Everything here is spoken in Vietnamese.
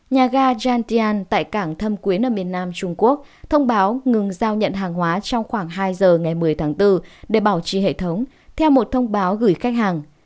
nhà ga jentian tại cảng thâm quyến ở miền nam trung quốc thông báo ngừng giao nhận hàng hóa trong khoảng hai giờ ngày một mươi tháng bốn để bảo trì hệ thống theo một thông báo gửi khách hàng